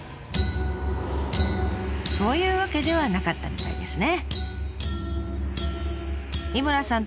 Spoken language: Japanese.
そういうわけではなかったみたいですね。